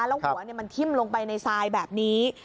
แล้วหัวทิ้มลงไปในใส้แบบนี้